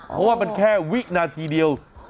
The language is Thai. เพราะว่ามันแค่วินาทีเดียว